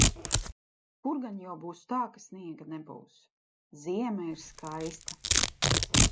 Kur gan jau būs tā, ka sniega nebūs... Ziema ir skaista!